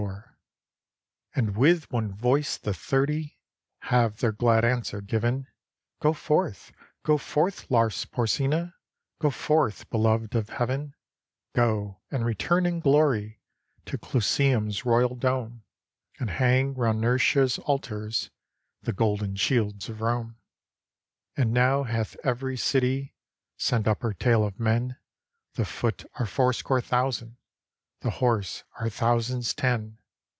271 ROME And with one voice the Thirty Have their glad answer given : "Go forth, go forth, Lars Porsena; Go forth, beloved of Heaven: Go, and return in glory To Clusium's royal dome; And hang round Nurscia's altars The golden shields of Rome." And now hath every city Sent up her tale of men: The foot are fourscore thousand The horse are thousands ten.